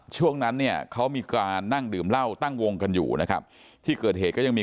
ช่วงนั้นเนี่ยเขามีการนั่งดื่มเหล้าตั้งวงกันอยู่นะครับที่เกิดเหตุก็ยังมี